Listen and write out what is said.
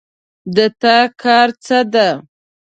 د تا کار څه ده